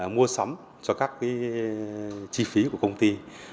mua sắm cho các chi phí của công ty